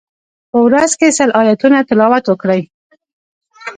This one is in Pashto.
په ورځ کی سل آیتونه تلاوت وکړئ.